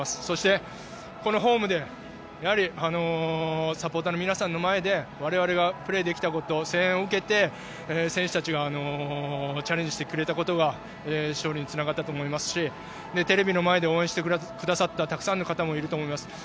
そして、このホームでやはりサポーターの皆さんの前で我々がプレーできたこと声援を受けて選手たちがチャレンジしてくれたことが勝利につながったと思いますしテレビの前で応援してくださったたくさんの方もいると思います。